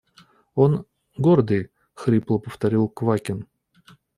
Он… гордый, – хрипло повторил Квакин